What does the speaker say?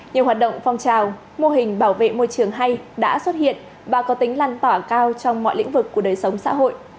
nhiều hoạt động phong trào mô hình bảo vệ môi trường hay đã xuất hiện và có tính lan tỏa cao trong mọi lĩnh vực của đời sống xã hội